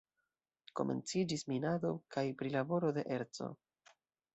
Komenciĝis minado kaj prilaboro de erco.